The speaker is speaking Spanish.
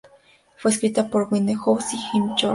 Fue escrita por Winehouse y Jimmy Hogarth.